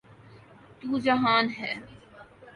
تو جہان ہے۔